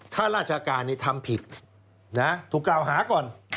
ข้าราชการทำผิดถูกกล่าวหาก่อน